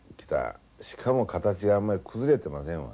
しかも形があんまり崩れてませんわ。